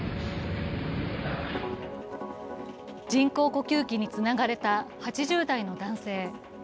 人工呼吸器につながれた８０代の男性。